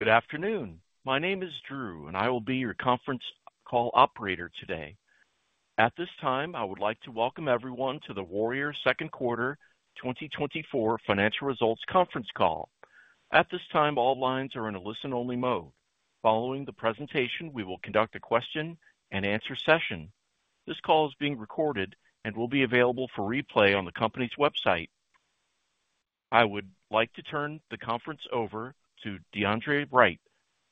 Good afternoon. My name is Drew, and I will be your conference call operator today. At this time, I would like to welcome everyone to the Warrior's Q2 2024 Financial Results Conference Call. At this time, all lines are in a listen-only mode. Following the presentation, we will conduct a question-and-answer session. This call is being recorded and will be available for replay on the company's website. I would like to turn the conference over to D'Andre Wright,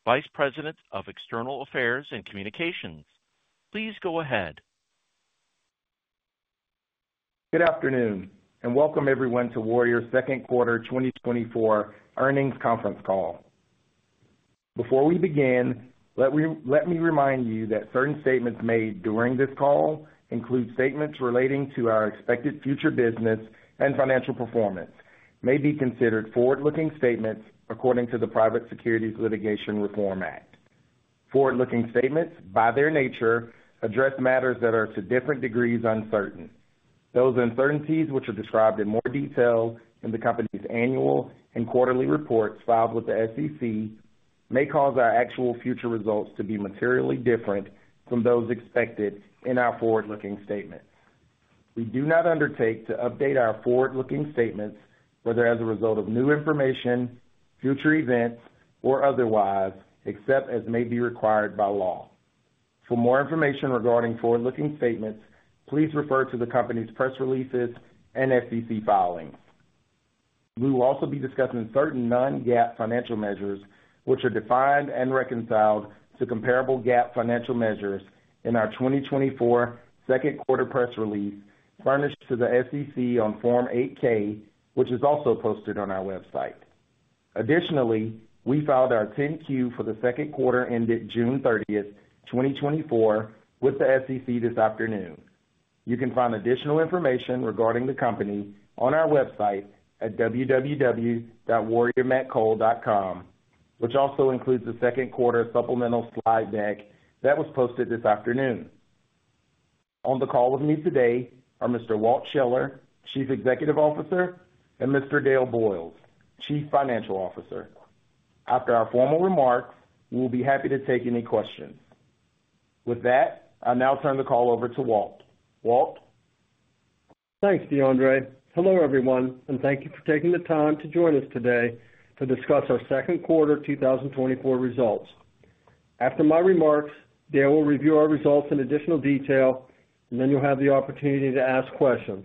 Vice President of External Affairs and Communications. Please go ahead. Good afternoon, and welcome everyone to Warrior Q2 2024 Earnings Conference Call. Before we begin, let me remind you that certain statements made during this call include statements relating to our expected future business and financial performance. They may be considered forward-looking statements according to the Private Securities Litigation Reform Act. Forward-looking statements, by their nature, address matters that are to different degrees uncertain. Those uncertainties, which are described in more detail in the company's annual and quarterly reports filed with the SEC, may cause our actual future results to be materially different from those expected in our forward-looking statements. We do not undertake to update our forward-looking statements, whether as a result of new information, future events, or otherwise, except as may be required by law. For more information regarding forward-looking statements, please refer to the company's press releases and SEC filings. We will also be discussing certain non-GAAP financial measures, which are defined and reconciled to comparable GAAP financial measures in our 2024 Q2 press release furnished to the SEC on Form 8-K, which is also posted on our website. Additionally, we filed our 10-Q for the Q2 ended 30 June 2024, with the SEC this afternoon. You can find additional information regarding the company on our website at www.warriormetcoal.com, which also includes the Q2 supplemental slide deck that was posted this afternoon. On the call with me today are Mr. Walt Scheller, Chief Executive Officer, and Mr. Dale Boyles, Chief Financial Officer. After our formal remarks, we will be happy to take any questions. With that, I'll now turn the call over to Walt. Walt. Thanks, D'Andre. Hello, everyone, and thank you for taking the time to join us today to discuss our Q2 2024 results. After my remarks, Dale will review our results in additional detail, and then you'll have the opportunity to ask questions.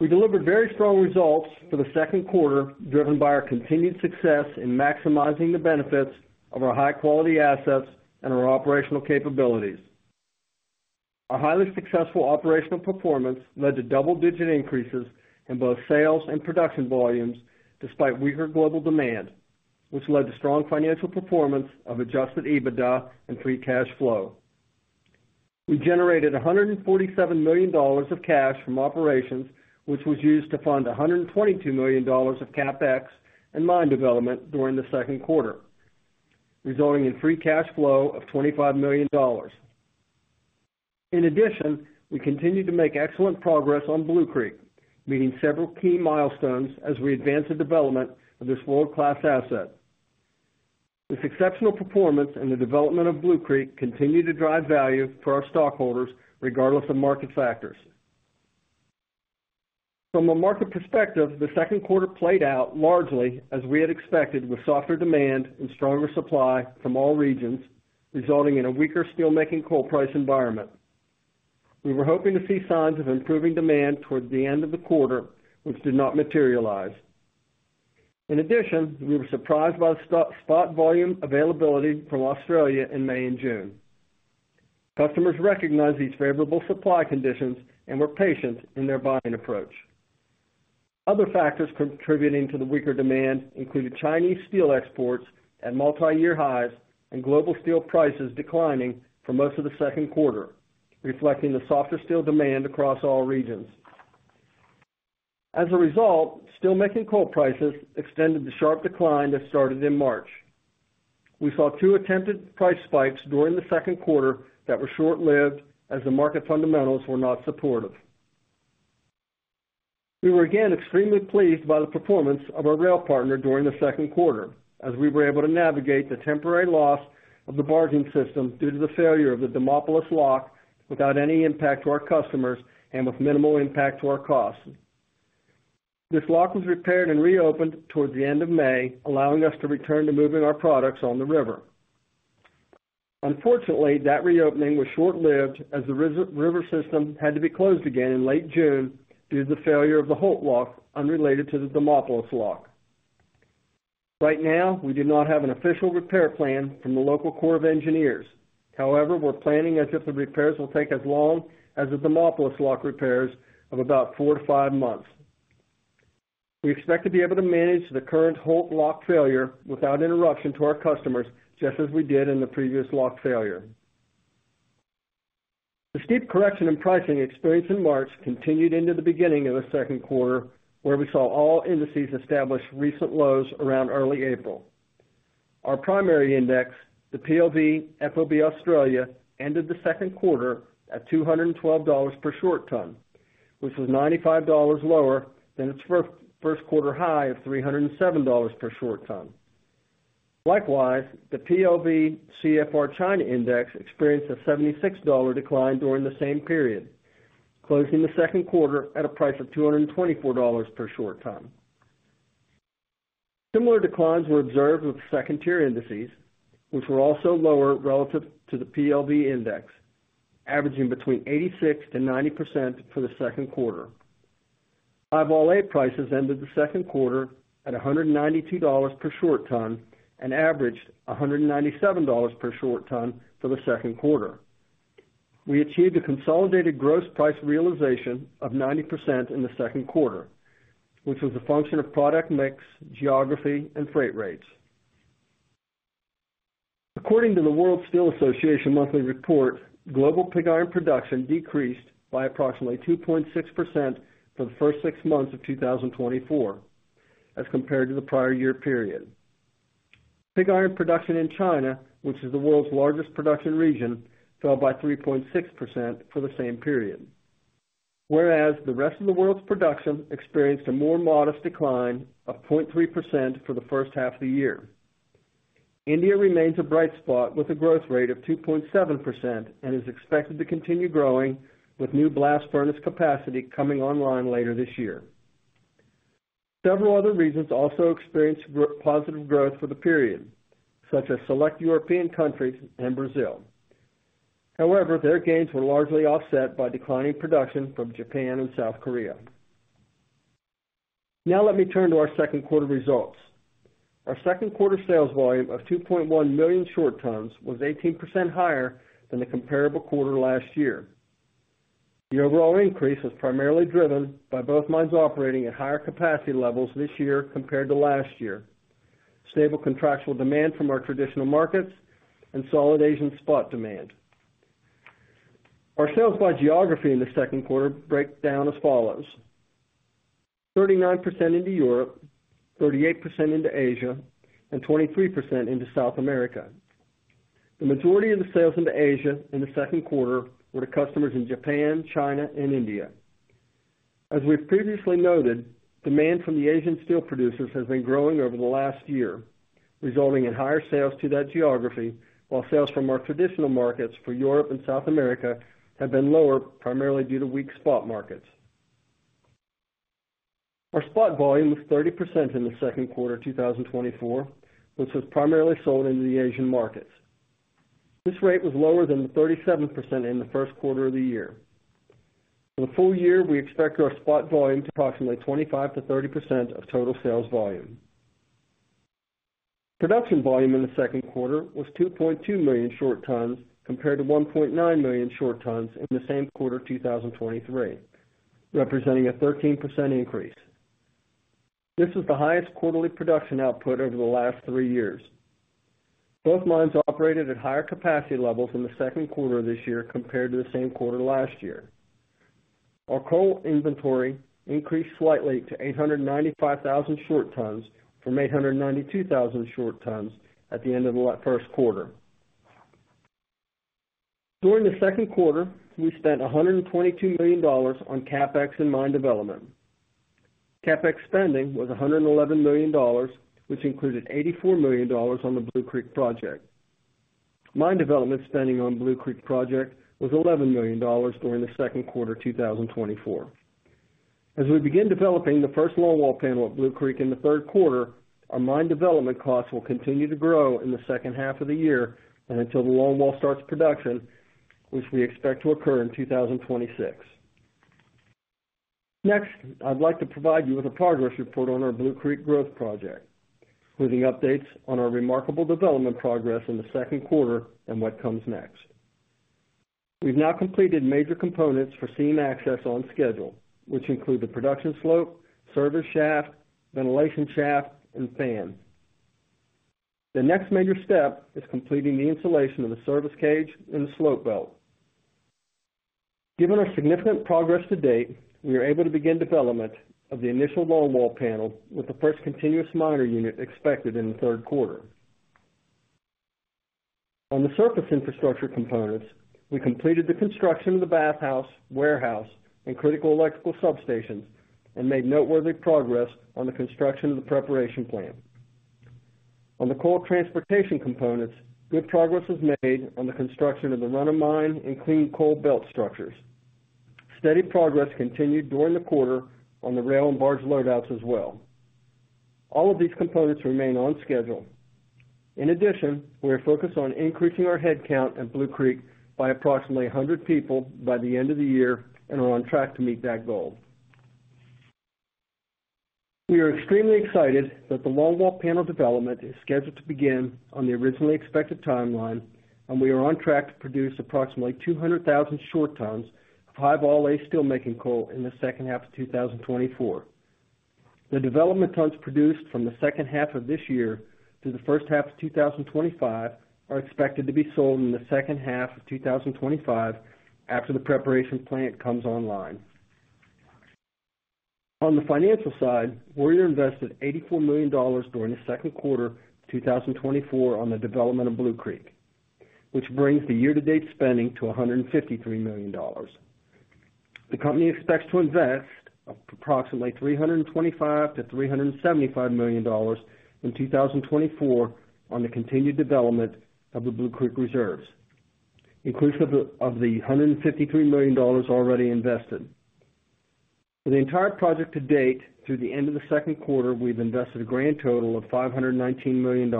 We delivered very strong results for the Q2, driven by our continued success in maximizing the benefits of our high-quality assets and our operational capabilities. Our highly successful operational performance led to double-digit increases in both sales and production volumes, despite weaker global demand, which led to strong financial performance of Adjusted EBITDA and free cash flow. We generated $147 million of cash from operations, which was used to fund $122 million of CapEx and mine development during the Q2, resulting in free cash flow of $25 million. In addition, we continue to make excellent progress on Blue Creek, meeting several key milestones as we advance the development of this world-class asset. This exceptional performance and the development of Blue Creek continue to drive value for our stockholders, regardless of market factors. From a market perspective, the Q2 played out largely as we had expected, with softer demand and stronger supply from all regions, resulting in a weaker steelmaking coal price environment. We were hoping to see signs of improving demand toward the end of the quarter, which did not materialize. In addition, we were surprised by the spot volume availability from Australia in May and June. Customers recognized these favorable supply conditions and were patient in their buying approach. Other factors contributing to the weaker demand included Chinese steel exports at multi-year highs and global steel prices declining for most of the Q2, reflecting the softer steel demand across all regions. As a result, steelmaking coal prices extended the sharp decline that started in March. We saw two attempted price spikes during the Q2 that were short-lived as the market fundamentals were not supportive. We were again extremely pleased by the performance of our rail partner during the Q2, as we were able to navigate the temporary loss of the barging system due to the failure of the Demopolis Lock without any impact to our customers and with minimal impact to our costs. This lock was repaired and reopened toward the end of May, allowing us to return to moving our products on the river. Unfortunately, that reopening was short-lived as the river system had to be closed again in late June due to the failure of the Holt Lock unrelated to the Demopolis Lock. Right now, we do not have an official repair plan from the local Corps of Engineers. However, we're planning as if the repairs will take as long as the Demopolis Lock repairs of about 4-5 months. We expect to be able to manage the current Holt Lock failure without interruption to our customers, just as we did in the previous lock failure. The steep correction in pricing experienced in March continued into the beginning of the Q2, where we saw all indices establish recent lows around early April. Our primary index, the PLV FOB Australia, ended the Q2 at $212 per short ton, which was $95 lower than its Q1 high of $307 per short ton. Likewise, the PLV CFR China index experienced a $76 decline during the same period, closing the Q2 at a price of $224 per short ton. Similar declines were observed with second-tier indices, which were also lower relative to the PLV index, averaging between 86%-90% for the Q2. High-vol prices ended the Q2 at $192 per short ton and averaged $197 per short ton for the Q2. We achieved a consolidated gross price realization of 90% in the Q2, which was a function of product mix, geography, and freight rates. According to the World Steel Association monthly report, global pig iron production decreased by approximately 2.6% for the first six months of 2024, as compared to the prior year period. Pig iron production in China, which is the world's largest production region, fell by 3.6% for the same period, whereas the rest of the world's production experienced a more modest decline of 0.3% for the H1 of the year. India remains a bright spot with a growth rate of 2.7% and is expected to continue growing with new blast furnace capacity coming online later this year. Several other regions also experienced positive growth for the period, such as select European countries and Brazil. However, their gains were largely offset by declining production from Japan and South Korea. Now let me turn to our Q2 results. Our Q2 sales volume of 2.1 million short tons was 18% higher than the comparable quarter last year. The overall increase was primarily driven by both mines operating at higher capacity levels this year compared to last year, stable contractual demand from our traditional markets, and solid Asian spot demand. Our sales by geography in the Q2 break down as follows: 39% into Europe, 38% into Asia, and 23% into South America. The majority of the sales into Asia in the Q2 were to customers in Japan, China, and India. As we've previously noted, demand from the Asian steel producers has been growing over the last year, resulting in higher sales to that geography, while sales from our traditional markets for Europe and South America have been lower, primarily due to weak spot markets. Our spot volume was 30% in the Q2 2024, which was primarily sold into the Asian markets. This rate was lower than the 37% in the Q1 of the year. For the full year, we expect our spot volume to be approximately 25%-30% of total sales volume. Production volume in the Q2 was 2.2 million short tons compared to 1.9 million short tons in the same quarter 2023, representing a 13% increase. This was the highest quarterly production output over the last three years. Both mines operated at higher capacity levels in the Q2 of this year compared to the same quarter last year. Our coal inventory increased slightly to 895,000 short tons from 892,000 short tons at the end of the Q1. During the Q2, we spent $122 million on CapEx and mine development. CapEx spending was $111 million, which included $84 million on the Blue Creek project. Mine development spending on the Blue Creek project was $11 million during the Q2 2024. As we begin developing the first longwall panel at Blue Creek in the Q3, our mine development costs will continue to grow in the H2 of the year and until the longwall starts production, which we expect to occur in 2026. Next, I'd like to provide you with a progress report on our Blue Creek growth project, including updates on our remarkable development progress in the Q2 and what comes next. We've now completed major components for seam access on schedule, which include the production slope, service shaft, ventilation shaft, and fan. The next major step is completing the installation of the service cage and the slope belt. Given our significant progress to date, we are able to begin development of the initial longwall panel with the first continuous miner unit expected in the Q3. On the surface infrastructure components, we completed the construction of the bathhouse, warehouse, and critical electrical substations and made noteworthy progress on the construction of the preparation plant. On the coal transportation components, good progress was made on the construction of the run-of-mine and clean coal belt structures. Steady progress continued during the quarter on the rail and barge loadouts as well. All of these components remain on schedule. In addition, we are focused on increasing our headcount at Blue Creek by approximately 100 people by the end of the year and are on track to meet that goal. We are extremely excited that the longwall panel development is scheduled to begin on the originally expected timeline, and we are on track to produce approximately 200,000 short tons of High-Vol A steelmaking coal in the H2 of 2024. The development tons produced from the H2 of this year to the H1 of 2025 are expected to be sold in the H2 of 2025 after the preparation plant comes online. On the financial side, Warrior invested $84 million during the Q2 of 2024 on the development of Blue Creek, which brings the year-to-date spending to $153 million. The company expects to invest approximately $325-$375 million in 2024 on the continued development of the Blue Creek reserves, inclusive of the $153 million already invested. For the entire project to date, through the end of the Q2, we've invested a grand total of $519 million.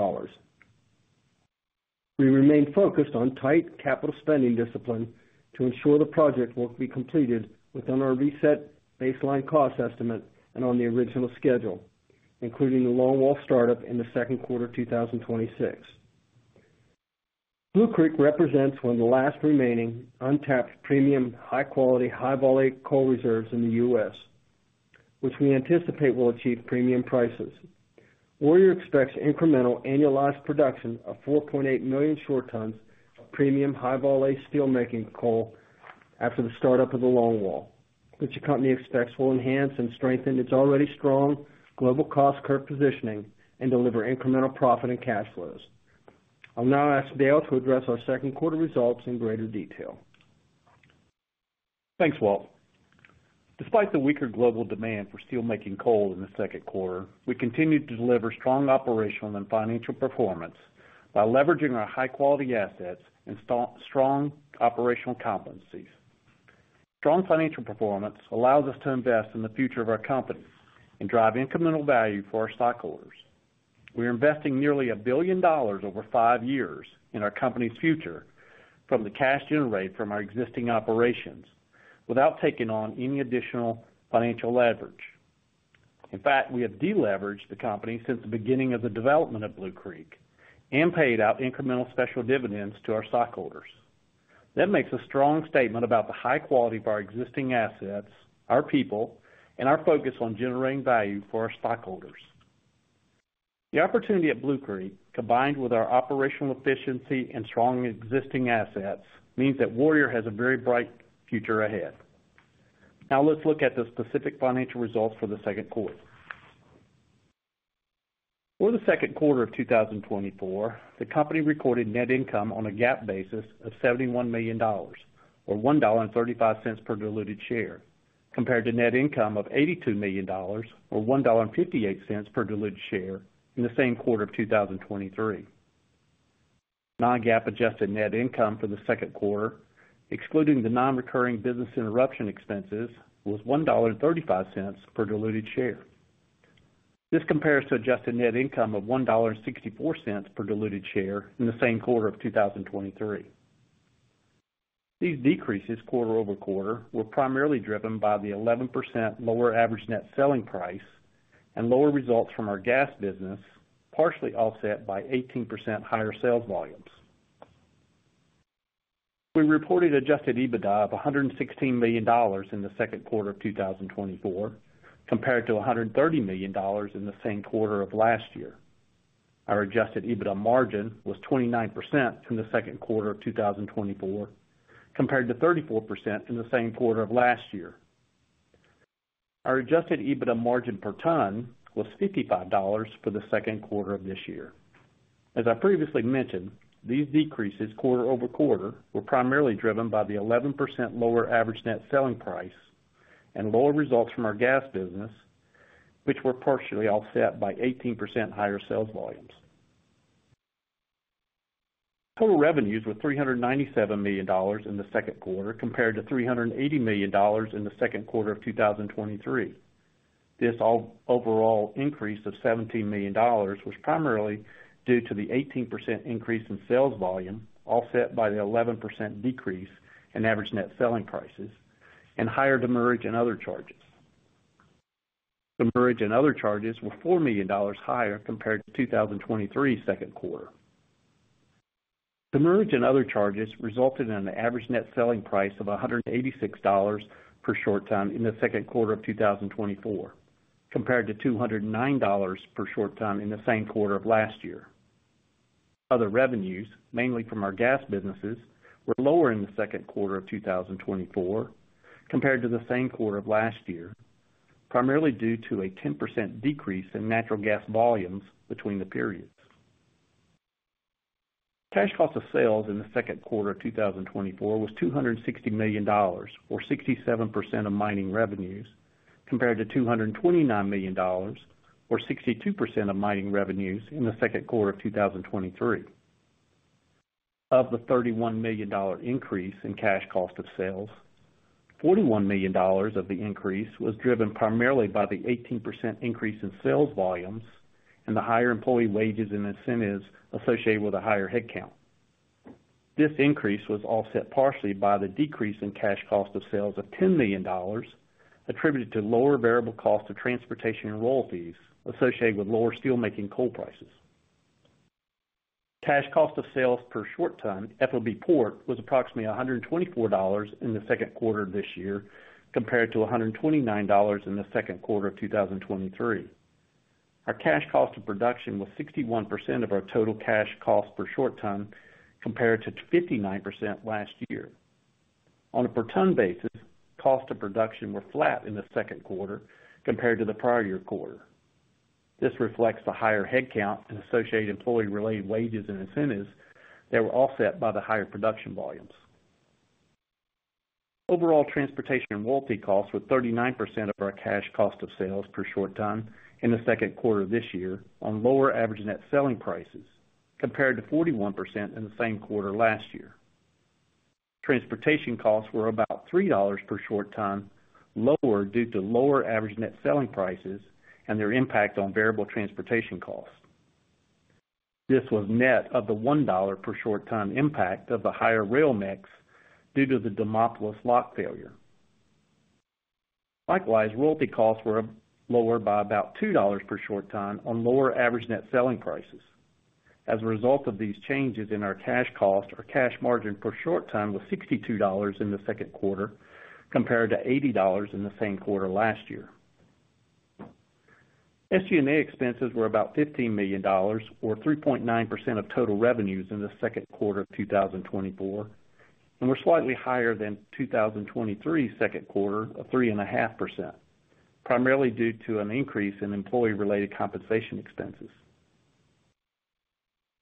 We remain focused on tight capital spending discipline to ensure the project will be completed within our reset baseline cost estimate and on the original schedule, including the long wall startup in the Q2 2026. Blue Creek represents one of the last remaining untapped premium high-quality High-Vol A coal reserves in the U.S., which we anticipate will achieve premium prices. Warrior expects incremental annualized production of 4.8 million short tons of premium High-Vol A steelmaking coal after the startup of the long wall, which the company expects will enhance and strengthen its already strong global cost curve positioning and deliver incremental profit and cash flows. I'll now ask Dale to address our Q2 results in greater detail. Thanks, Walt. Despite the weaker global demand for steelmaking coal in the Q2, we continue to deliver strong operational and financial performance by leveraging our high-quality assets and strong operational competencies. Strong financial performance allows us to invest in the future of our company and drive incremental value for our stockholders. We are investing nearly $1 billion over five years in our company's future from the cash generated from our existing operations without taking on any additional financial leverage. In fact, we have deleveraged the company since the beginning of the development of Blue Creek and paid out incremental special dividends to our stockholders. That makes a strong statement about the high quality of our existing assets, our people, and our focus on generating value for our stockholders. The opportunity at Blue Creek, combined with our operational efficiency and strong existing assets, means that Warrior has a very bright future ahead. Now let's look at the specific financial results for the Q2. For the Q2 of 2024, the company recorded net income on a GAAP basis of $71 million, or $1.35 per diluted share, compared to net income of $82 million, or $1.58 per diluted share in the same quarter of 2023. Non-GAAP adjusted net income for the Q2, excluding the non-recurring business interruption expenses, was $1.35 per diluted share. This compares to adjusted net income of $1.64 per diluted share in the same quarter of 2023. These decreases quarter-over-quarter were primarily driven by the 11% lower average net selling price and lower results from our gas business, partially offset by 18% higher sales volumes. We reported adjusted EBITDA of $116 million in the Q2 of 2024, compared to $130 million in the same quarter of last year. Our adjusted EBITDA margin was 29% in the Q2 of 2024, compared to 34% in the same quarter of last year. Our adjusted EBITDA margin per ton was $55 for the Q2 of this year. As I previously mentioned, these decreases quarter-over-quarter were primarily driven by the 11% lower average net selling price and lower results from our gas business, which were partially offset by 18% higher sales volumes. Total revenues were $397 million in the Q2, compared to $380 million in the Q2 of 2023. This overall increase of $17 million was primarily due to the 18% increase in sales volume, offset by the 11% decrease in average net selling prices, and higher demurrage and other charges. Demurrage and other charges were $4 million higher compared to 2023's Q2. Demurrage and other charges resulted in an average net selling price of $186 per short ton in the Q2 of 2024, compared to $209 per short ton in the same quarter of last year. Other revenues, mainly from our gas businesses, were lower in the Q2 of 2024, compared to the same quarter of last year, primarily due to a 10% decrease in natural gas volumes between the periods. Cash cost of sales in the Q2 of 2024 was $260 million, or 67% of mining revenues, compared to $229 million, or 62% of mining revenues in the Q2 of 2023. Of the $31 million increase in cash cost of sales, $41 million of the increase was driven primarily by the 18% increase in sales volumes and the higher employee wages and incentives associated with a higher headcount. This increase was offset partially by the decrease in cash cost of sales of $10 million, attributed to lower variable cost of transportation and royalties associated with lower steelmaking coal prices. Cash cost of sales per short ton, FOB port, was approximately $124 in the Q2 of this year, compared to $129 in the Q2 of 2023. Our cash cost of production was 61% of our total cash cost per short ton, compared to 59% last year. On a per ton basis, cost of production were flat in the Q2 compared to the prior year quarter. This reflects the higher headcount and associated employee-related wages and incentives that were offset by the higher production volumes. Overall transportation and royalty costs were 39% of our cash cost of sales per short ton in the Q2 of this year on lower average net selling prices, compared to 41% in the same quarter last year. Transportation costs were about $3 per short ton, lower due to lower average net selling prices and their impact on variable transportation costs. This was net of the $1 per short ton impact of the higher rail mix due to the Demopolis lock failure. Likewise, royalty costs were lower by about $2 per short ton on lower average net selling prices. As a result of these changes in our cash cost, our cash margin per short ton was $62 in the Q2, compared to $80 in the same quarter last year. SG&A expenses were about $15 million, or 3.9% of total revenues in the Q2 of 2024, and were slightly higher than 2023's Q2 of 3.5%, primarily due to an increase in employee-related compensation expenses.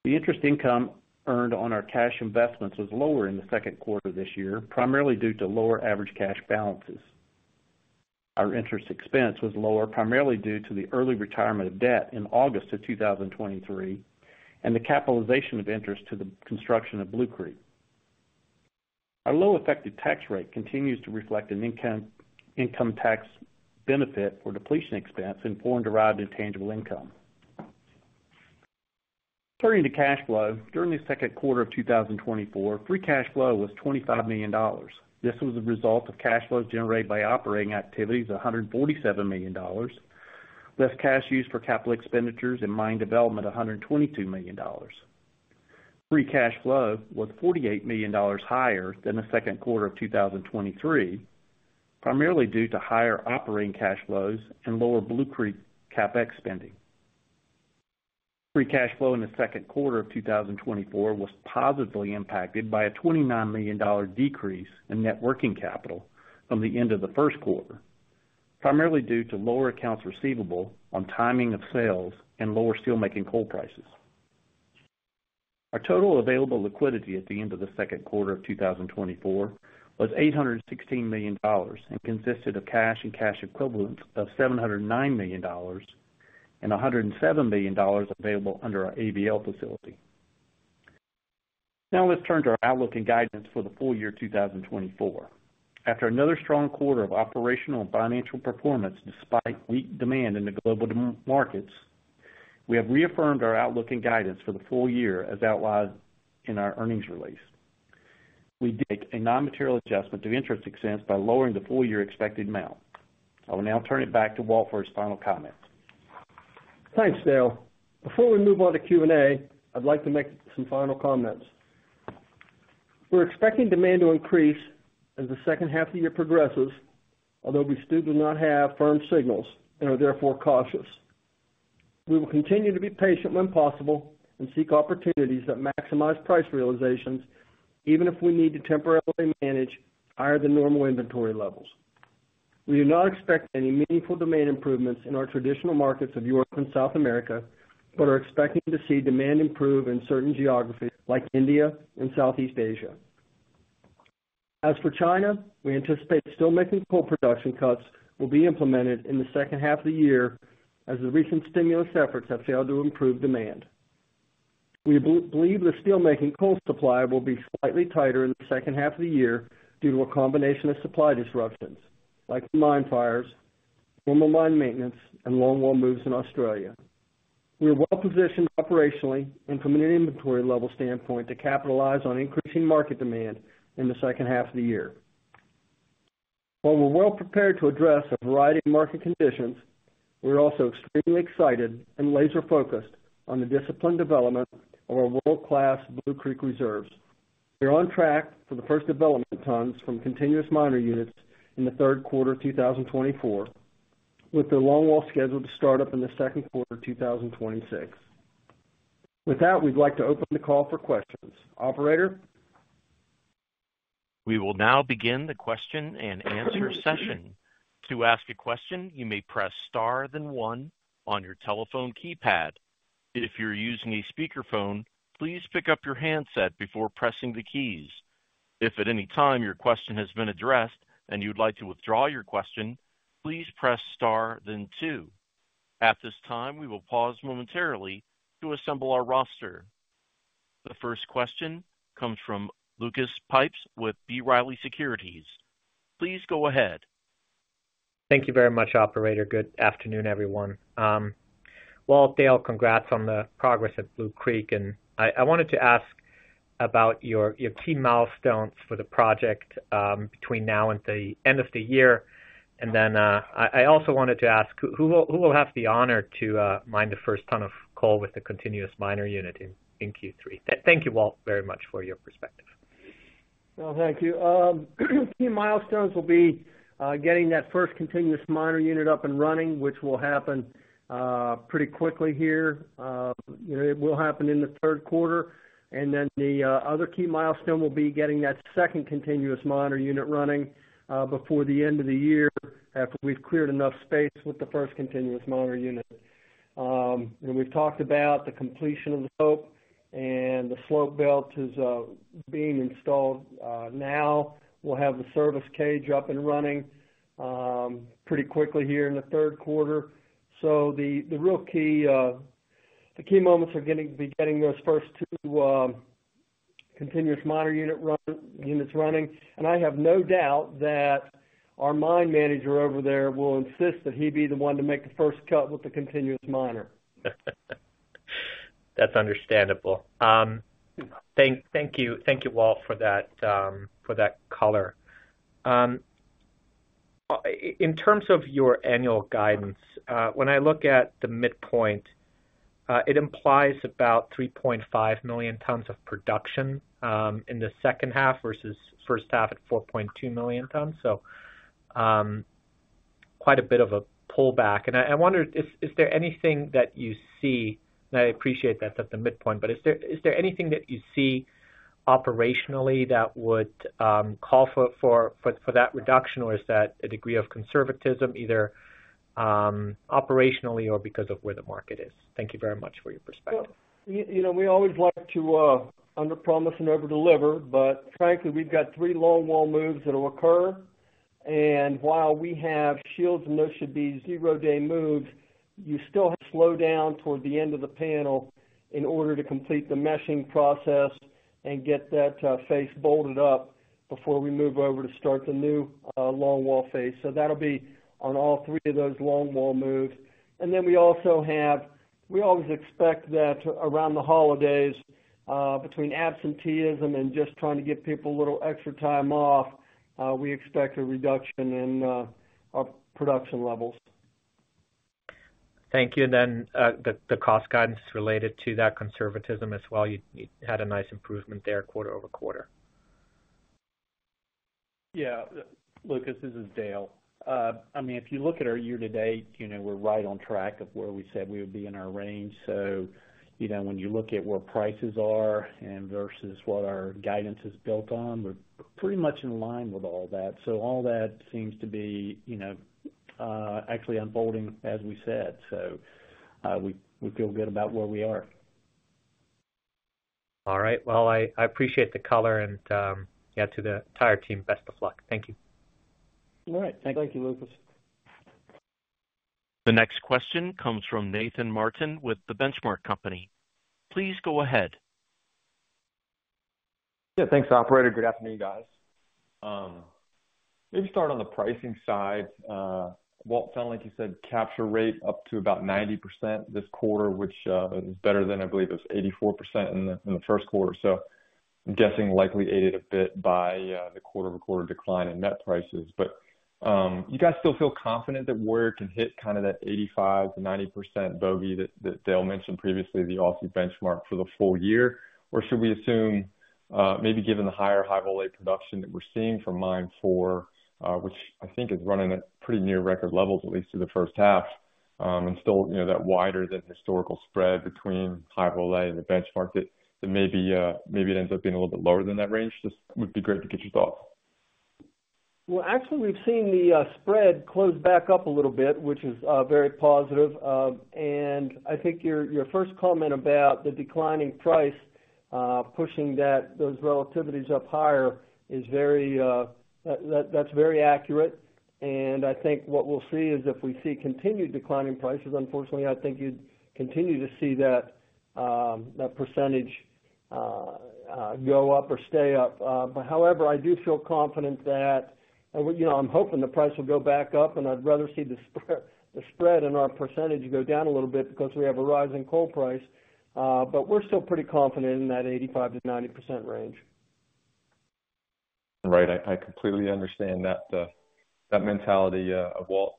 The interest income earned on our cash investments was lower in the Q2 of this year, primarily due to lower average cash balances. Our interest expense was lower primarily due to the early retirement of debt in August of 2023 and the capitalization of interest to the construction of Blue Creek. Our low effective tax rate continues to reflect an income tax benefit for depletion expense in foreign-derived intangible income. Turning to cash flow, during the Q2 of 2024, free cash flow was $25 million. This was the result of cash flows generated by operating activities of $147 million, less cash used for capital expenditures and mine development of $122 million. Free cash flow was $48 million higher than the Q2 of 2023, primarily due to higher operating cash flows and lower Blue Creek CapEx spending. Free cash flow in the Q2 of 2024 was positively impacted by a $29 million decrease in net working capital from the end of the Q1, primarily due to lower accounts receivable on timing of sales and lower steelmaking coal prices. Our total available liquidity at the end of the Q2 of 2024 was $816 million and consisted of cash and cash equivalents of $709 million and $107 million available under our ABL facility. Now let's turn to our outlook and guidance for the full year 2024. After another strong quarter of operational and financial performance despite weak demand in the global markets, we have reaffirmed our outlook and guidance for the full year as outlined in our earnings release. We did a non-material adjustment to interest expense by lowering the full year expected amount. I will now turn it back to Walt for his final comments. Thanks, Dale. Before we move on to Q&A, I'd like to make some final comments. We're expecting demand to increase as the H2 of the year progresses, although we still do not have firm signals and are therefore cautious. We will continue to be patient when possible and seek opportunities that maximize price realizations, even if we need to temporarily manage higher than normal inventory levels. We do not expect any meaningful demand improvements in our traditional markets of Europe and South America, but are expecting to see demand improve in certain geographies like India and Southeast Asia. As for China, we anticipate steelmaking coal production cuts will be implemented in the H2 of the year as the recent stimulus efforts have failed to improve demand. We believe the steelmaking coal supply will be slightly tighter in the H2 of the year due to a combination of supply disruptions, like the mine fires, thermal mine maintenance, and long wall moves in Australia. We are well positioned operationally and from an inventory level standpoint to capitalize on increasing market demand in the H2 of the year. While we're well prepared to address a variety of market conditions, we're also extremely excited and laser-focused on the disciplined development of our world-class Blue Creek reserves. We're on track for the first development tons from continuous miner units in the Q3 of 2024, with the long wall scheduled to start up in the Q2 of 2026. With that, we'd like to open the call for questions. Operator? We will now begin the question and answer session. To ask a question, you may press star then one on your telephone keypad. If you're using a speakerphone, please pick up your handset before pressing the keys. If at any time your question has been addressed and you'd like to withdraw your question, please press star then two. At this time, we will pause momentarily to assemble our roster. The first question comes from Lucas Pipes with B. Riley Securities. Please go ahead. Thank you very much, Operator. Good afternoon, everyone. Walt, Dale, congrats on the progress at Blue Creek. And I wanted to ask about your key milestones for the project between now and the end of the year. And then I also wanted to ask who will have the honor to mine the first ton of coal with the continuous miner unit in Q3? Thank you, Walt, very much for your perspective. Well, thank you. Key milestones will be getting that first continuous miner unit up and running, which will happen pretty quickly here. It will happen in the Q3. And then the other key milestone will be getting that second continuous miner unit running before the end of the year after we've cleared enough space with the first continuous miner unit. And we've talked about the completion of the slope and the slope belt is being installed now. We'll have the service cage up and running pretty quickly here in the Q3. So the real key moments are going to be getting those first two continuous miner units running. And I have no doubt that our mine manager over there will insist that he be the one to make the first cut with the continuous miner. That's understandable. Thank you, Walt, for that color. In terms of your annual guidance, when I look at the midpoint, it implies about 3.5 million tons of production in the H2 versus H1 at 4.2 million tons. So quite a bit of a pullback. And I wonder, is there anything that you see? And I appreciate that's at the midpoint, but is there anything that you see operationally that would call for that reduction, or is that a degree of conservatism, either operationally or because of where the market is? Thank you very much for your perspective. Well, we always like to underpromise and overdeliver, but frankly, we've got three long wall moves that will occur. And while we have shields and there should be zero-day moves, you still have to slow down toward the end of the panel in order to complete the meshing process and get that face bolted up before we move over to start the new long wall phase. So that'll be on all three of those long wall moves. And then we also have we always expect that around the holidays, between absenteeism and just trying to give people a little extra time off, we expect a reduction in our production levels. Thank you. And then the cost guidance related to that conservatism as well. You had a nice improvement there quarter-over-quarter. Yeah. Lucas, this is Dale. I mean, if you look at our year-to-date, we're right on track of where we said we would be in our range. So when you look at where prices are versus what our guidance is built on, we're pretty much in line with all that. So all that seems to be actually unfolding, as we said. So we feel good about where we are. All right. Well, I appreciate the color. And to the entire team, best of luck. Thank you. All right. Thank you, Lucas. The next question comes from Nathan Martin with The Benchmark Company. Please go ahead. Yeah. Thanks, Operator. Good afternoon, guys. Maybe start on the pricing side. Walt, as you said, capture rate up to about 90% this quarter, which is better than, I believe, it was 84% in the Q1. So I'm guessing likely aided a bit by the quarter-over-quarter decline in net prices. But you guys still feel confident that Warrior can hit kind of that 85%-90% bogey that Dale mentioned previously, the Aussie benchmark for the full year? Or should we assume maybe given the higher High-Vol A production that we're seeing from Mine 4, which I think is running at pretty near record levels, at least in the H1, and still that wider than historical spread between High-Vol A and the benchmark, that maybe it ends up being a little bit lower than that range? Just would be great to get your thoughts. Well, actually, we've seen the spread close back up a little bit, which is very positive. And I think your first comment about the declining price pushing those relativities up higher is very. That's very accurate. I think what we'll see is if we see continued declining prices, unfortunately, I think you'd continue to see that percentage go up or stay up. But however, I do feel confident that I'm hoping the price will go back up, and I'd rather see the spread and our percentage go down a little bit because we have a rising coal price. But we're still pretty confident in that 85%-90% range. Right. I completely understand that mentality of Walt.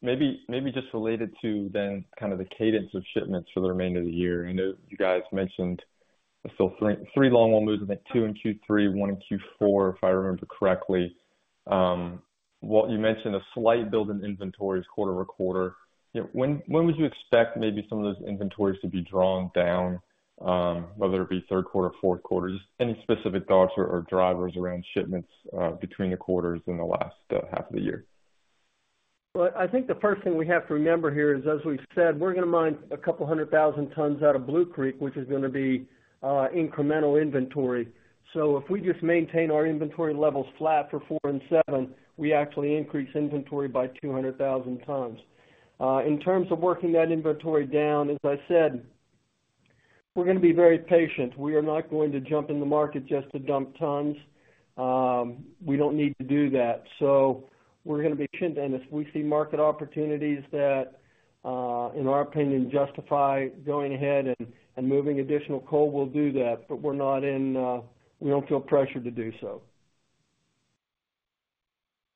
Maybe just related to then kind of the cadence of shipments for the remainder of the year. I know you guys mentioned there's still 3 long wall moves, I think, 2 in Q3, 1 in Q4, if I remember correctly. Walt, you mentioned a slight build in inventories quarter-over-quarter. When would you expect maybe some of those inventories to be drawn down, whether it be Q3 or Q4? Just any specific thoughts or drivers around shipments between the quarters in the last half of the year? Well, I think the first thing we have to remember here is, as we've said, we're going to mine 200,000 tons out of Blue Creek, which is going to be incremental inventory. So if we just maintain our inventory levels flat for four and seven, we actually increase inventory by 200,000 tons. In terms of working that inventory down, as I said, we're going to be very patient. We are not going to jump in the market just to dump tons. We don't need to do that. So we're going to be patient. If we see market opportunities that, in our opinion, justify going ahead and moving additional coal, we'll do that. But we're not; we don't feel pressured to do so.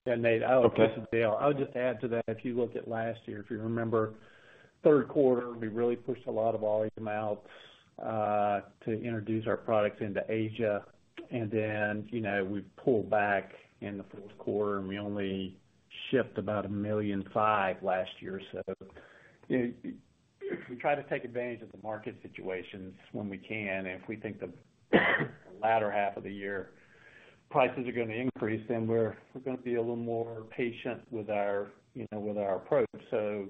Nate, I'll add to Dale. I'll just add to that. If you look at last year, if you remember, Q3, we really pushed a lot of volume out to introduce our products into Asia. Then we pulled back in the Q4, and we only shipped about 1.5 million last year. So we try to take advantage of the market situations when we can. If we think the latter half of the year prices are going to increase, then we're going to be a little more patient with our approach. So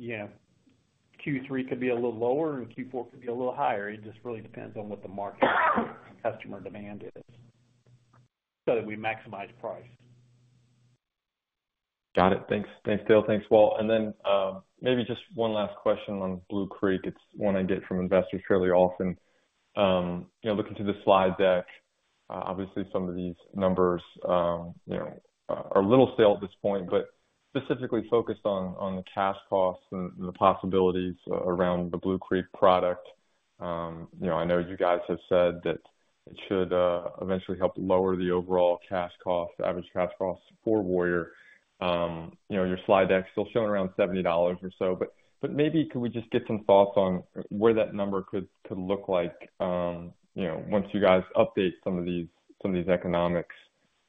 Q3 could be a little lower and Q4 could be a little higher. It just really depends on what the market customer demand is so that we maximize price. Got it. Thanks, Dale. Thanks, Walt. And then maybe just one last question on Blue Creek. It's one I get from investors fairly often. Looking through the slide deck, obviously, some of these numbers are a little stale at this point, but specifically focused on the cash costs and the possibilities around the Blue Creek product. I know you guys have said that it should eventually help lower the overall cash cost, average cash cost for Warrior. Your slide deck's still showing around $70 or so. But maybe could we just get some thoughts on where that number could look like once you guys update some of these economics,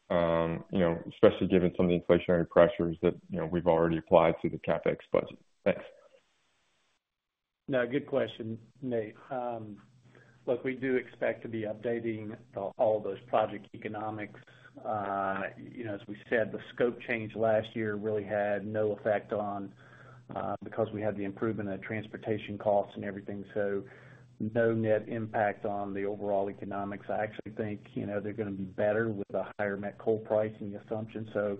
especially given some of the inflationary pressures that we've already applied to the CapEx budget? Thanks. No, good question, Nate. Look, we do expect to be updating all those project economics. As we said, the scope change last year really had no effect on because we had the improvement of transportation costs and everything. So no net impact on the overall economics. I actually think they're going to be better with a higher net coal price and the assumption. So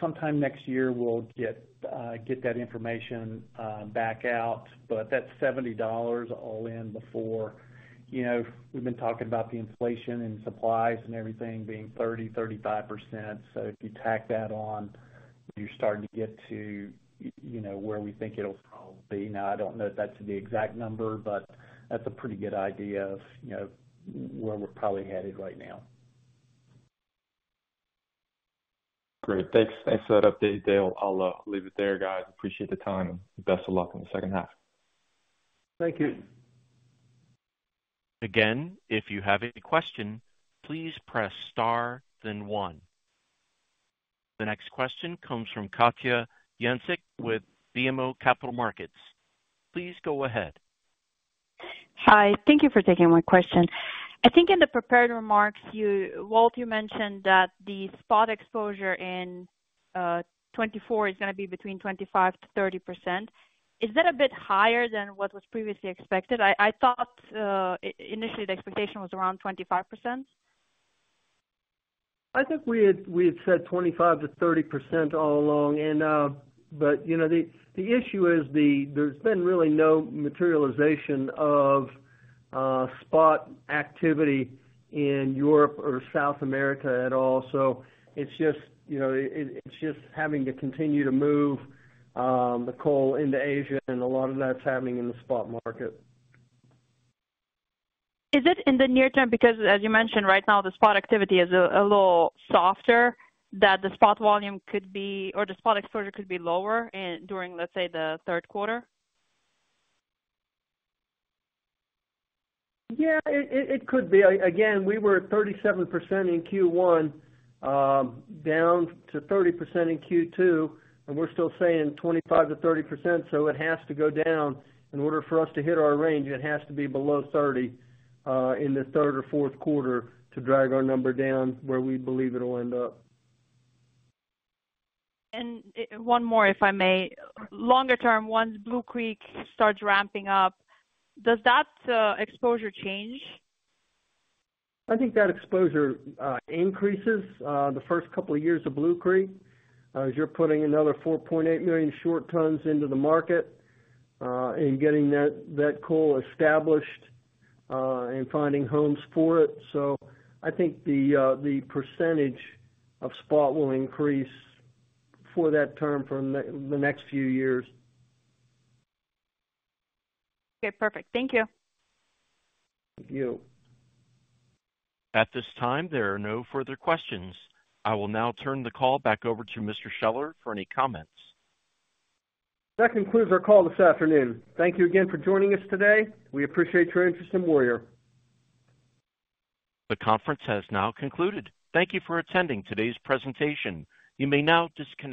sometime next year, we'll get that information back out. But that's $70 all in before. We've been talking about the inflation and supplies and everything being 30%-35%. So if you tack that on, you're starting to get to where we think it'll probably be. Now, I don't know if that's the exact number, but that's a pretty good idea of where we're probably headed right now. Great. Thanks for that update, Dale. I'll leave it there, guys. Appreciate the time. And best of luck in the H2. Thank you. Again, if you have any question, please press star then one. The next question comes from Katja Jancic with BMO Capital Markets. Please go ahead. Hi. Thank you for taking my question. I think in the prepared remarks, Walt, you mentioned that the spot exposure in 2024 is going to be between 25%-30%. Is that a bit higher than what was previously expected? I thought initially the expectation was around 25%. I think we had said 25%-30% all along. But the issue is there's been really no materialization of spot activity in Europe or South America at all. So it's just having to continue to move the coal into Asia, and a lot of that's happening in the spot market. Is it in the near term? Because, as you mentioned, right now, the spot activity is a little softer, that the spot volume could be or the spot exposure could be lower during, let's say, the Q3? Yeah, it could be. Again, we were at 37% in Q1, down to 30% in Q2, and we're still saying 25%-30%. So it has to go down. In order for us to hit our range, it has to be below 30% in the third or Q4 to drag our number down where we believe it'll end up. And one more, if I may. Longer-term, once Blue Creek starts ramping up, does that exposure change? I think that exposure increases the first couple of years of Blue Creek as you're putting another 4.8 million short tons into the market and getting that coal established and finding homes for it. I think the percentage of spot will increase for that term for the next few years. Okay. Perfect. Thank you. Thank you. At this time, there are no further questions. I will now turn the call back over to Mr. Scheller for any comments. That concludes our call this afternoon. Thank you again for joining us today. We appreciate your interest in Warrior. The conference has now concluded. Thank you for attending today's presentation. You may now disconnect.